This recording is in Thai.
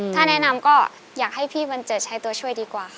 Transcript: ถ้าแนะนำก็อยากให้พี่บันเจิดใช้ตัวช่วยดีกว่าค่ะ